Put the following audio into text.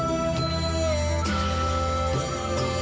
โอ้โหโอ้โหโอ้โห